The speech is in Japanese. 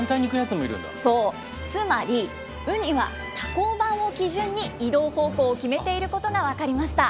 そう、つまり、ウニは多孔板を基準に移動方向を決めていることが分かりました。